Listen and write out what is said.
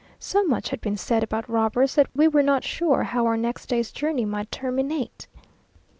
So much had been said about robbers, that we were not sure how our next day's journey might terminate.